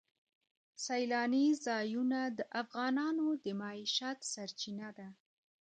سیلانی ځایونه د افغانانو د معیشت سرچینه ده.